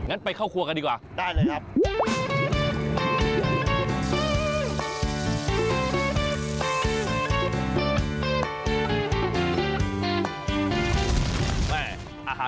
งั้นไปเข้าครัวกันดีกว่า